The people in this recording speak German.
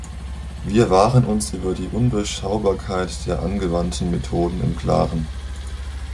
Wir waren uns über die Undurchschaubarkeit der angewandten Methoden im klaren.